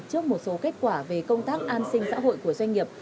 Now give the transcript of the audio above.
trước một số kết quả về công tác an sinh xã hội của doanh nghiệp